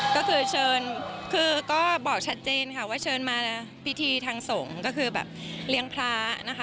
ก็คือเชิญคือก็บอกชัดเจนค่ะว่าเชิญมาพิธีทางสงฆ์ก็คือแบบเลี้ยงพระนะคะ